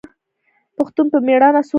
پښتون په میړانه سوله کوي.